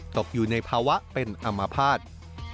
ตกอยู่ในภาวะเป็นอมภาษณ์